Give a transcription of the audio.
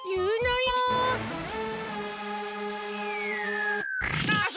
よし！